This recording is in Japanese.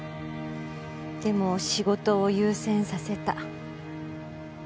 でも仕事を優先させた。